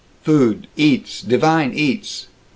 "Food. Eats. Divine eats."